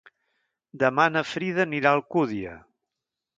Demà na Frida anirà a Alcúdia.